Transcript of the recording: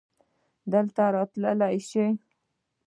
دلته راتللی شې؟